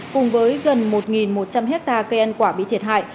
cùng với gần một một trăm linh hectare cây ăn quả bị thiệt hại